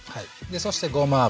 そしてごま油。